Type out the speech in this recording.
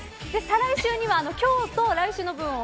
再来週には、今日と来週の分を